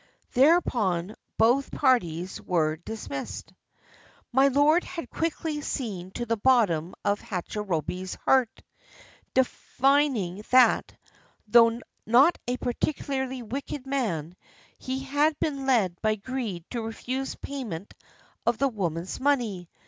Thereupon both parties were dismissed. My lord had quickly seen to the bottom of Hachi robei's heart, divining that, though not a particularly wicked man, he had been led by greed to refuse pay ment of the woman's money.